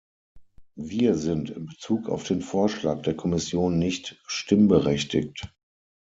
Wir sind in Bezug auf den Vorschlag der Kommission nicht stimmberechtigt.